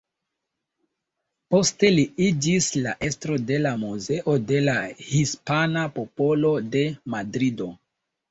Poste li iĝis la estro de la Muzeo de la Hispana Popolo de Madrido.